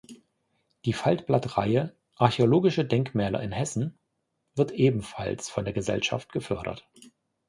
Die Faltblatt-Reihe "Archäologische Denkmäler in Hessen" wird ebenfalls von der Gesellschaft gefördert.